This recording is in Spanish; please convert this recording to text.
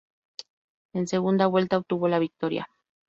En segunda vuelta obtuvo la victoria.